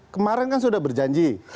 kemarin kan sudah berjanji